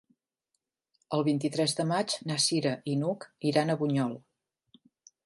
El vint-i-tres de maig na Cira i n'Hug iran a Bunyol.